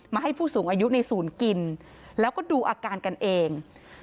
ให้ผู้สูงอายุในศูนย์กินแล้วก็ดูอาการกันเอง